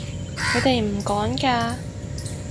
佢哋唔趕㗎